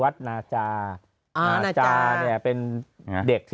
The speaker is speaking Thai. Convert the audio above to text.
ได้จาก